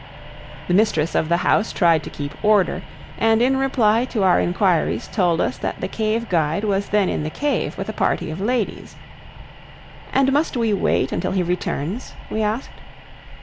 The mistress of the house tried to keep order, and in reply to our inquiries told us that the cave guide was then in the cave with a party of ladies. "And must we wait until he returns?" we asked.